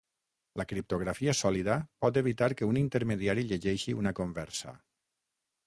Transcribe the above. La criptografia sòlida pot evitar que un intermediari llegeixi una conversa.